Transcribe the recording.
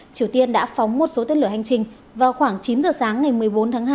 triều tiên đã phóng một số tên lửa hành trình vào khoảng chín giờ sáng ngày một mươi bốn tháng hai